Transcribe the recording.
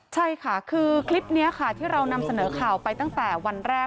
ใช่ค่ะคือคลิปนี้ค่ะที่เรานำเสนอข่าวไปตั้งแต่วันแรก